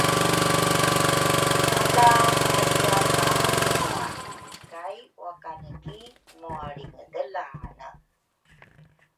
ala matia taulra kai wakane ki mualringedelane.